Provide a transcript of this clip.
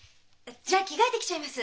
じゃあ着替えてきちゃいます。